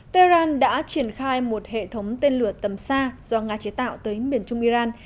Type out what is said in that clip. tehran đã triển khai một hệ thống tên lửa tầm xa do nga chế tạo tới miền trung iran